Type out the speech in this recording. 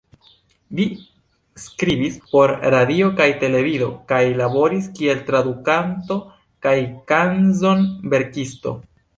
Li skribis por radio kaj televido kaj laboris kiel tradukanto kaj kanzon-verkisto.